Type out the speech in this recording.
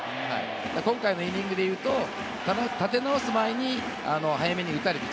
今回のイニングでいうと、立て直す前に早めに打たれた。